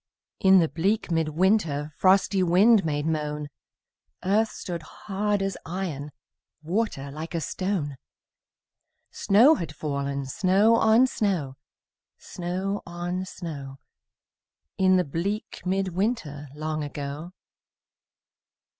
In the bleak mid winter Frosty wind made moan, Earth stood hard as iron, Water like a stone; Snow had fallen, snow on snow, Snow on snow, In the bleak mid winter Long ago.